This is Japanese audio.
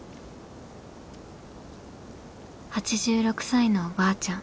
８６歳のおばあちゃん。